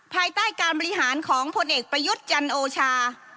ภายใต้การบริหารของพลเอกประยุทธ์จันโอชา